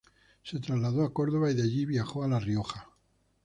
Se trasladó a Córdoba, y de allí viajó a La Rioja.